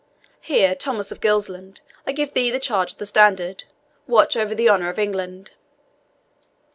Here, Thomas of Gilsland, I give thee the charge of the standard watch over the honour of England."